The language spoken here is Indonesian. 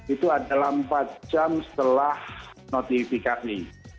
itu adalah empat jam setelah notifikasi